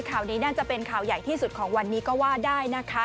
ข่าวนี้น่าจะเป็นข่าวใหญ่ที่สุดของวันนี้ก็ว่าได้นะคะ